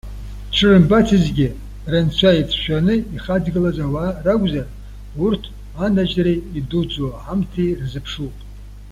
Дшырымбацызгьы, рынцәа ицәшәаны ихаҵгылаз ауаа ракәзар, урҭ, анажьреи идуӡӡоу аҳамҭеи рзыԥшуп.